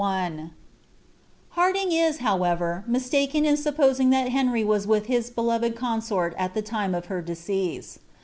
•e is, however, mistaken in supposing that Henry was with his msort at the time of her decease.